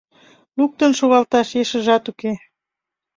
Луктын шогалташ ешыжат уке.